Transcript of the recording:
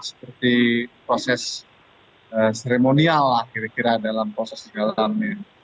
seperti proses seremonial lah kira kira dalam proses segala hal ini